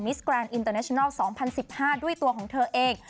สแกรนด์อินเตอร์เนชินัล๒๐๑๕ด้วยตัวของเธอเอง